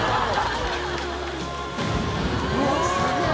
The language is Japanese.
うわすげぇ。